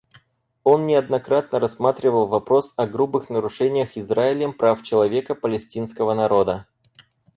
Он неоднократно рассматривал вопрос о грубых нарушениях Израилем прав человека палестинского народа.